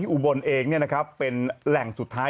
อุบลเองเป็นแหล่งสุดท้าย